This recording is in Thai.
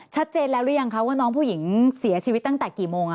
ชัดเจนแล้วหรือยังคะว่าน้องผู้หญิงเสียชีวิตตั้งแต่กี่โมง